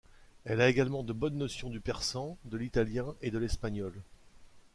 Elle a également de bonnes notions du persan, de l'italien et de l'espagnol.